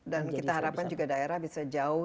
dan kita harapkan juga daerah bisa jauh